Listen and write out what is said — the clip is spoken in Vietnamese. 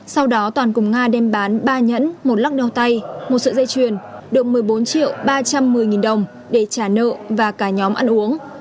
sau đó toàn cùng nga đem bán ba nhẫn một lắc đầu tay một sợi dây chuyền được một mươi bốn triệu ba trăm một mươi đồng để trả nợ và cả nhóm ăn uống